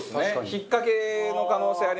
引っかけの可能性ありますよね。